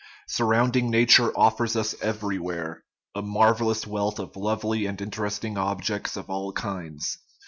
Surrounding nature offers us everywhere a marvellous wealth of lovely and interesting objects of all kinds.